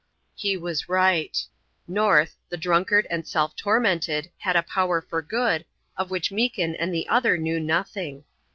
He was right. North, the drunkard and self tormented, had a power for good, of which Meekin and the other knew nothing.